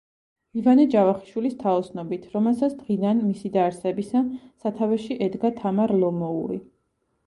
ივანე ჯავახიშვილის თაოსნობით, რომელსაც დღიდან მისი დაარსებისა სათავეში ედგა თამარ ლომოური.